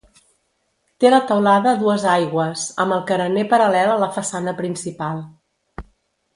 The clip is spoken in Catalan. Té la teulada dues aigües amb el carener paral·lel a la façana principal.